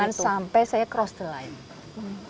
jangan sampai saya cross the line